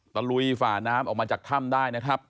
ลุยฝ่าน้ำออกมาจากถ้ำได้นะครับ